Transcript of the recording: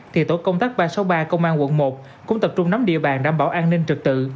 thì tổ công tác ba trăm sáu mươi ba công an quận một cũng tập trung nắm địa bàn đảm bảo an ninh trực tự